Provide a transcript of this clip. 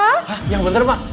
hah yang bener ma